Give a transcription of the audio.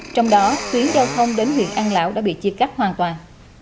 trong đó tuyến giao thông đến huyện an lão đã bị chia cắt hoàn toàn